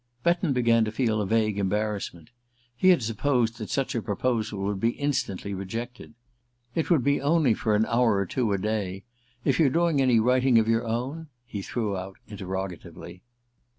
Betton began to feel a vague embarrassment. He had supposed that such a proposal would be instantly rejected. "It would be only for an hour or two a day if you're doing any writing of your own?" he threw out interrogatively.